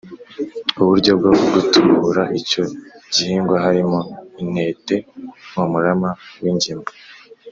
Uburyo bwo gutubura icyo gihingwa harimo intete umurama n’ingemwe